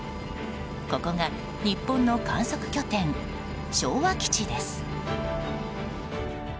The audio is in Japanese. ここが日本の観測拠点昭和基地です。